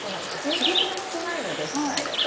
刺激が少ないので室内だと。